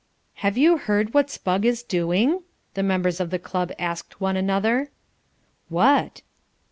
"Have you heard what Spugg is doing?" the members of the club asked one another. "What?"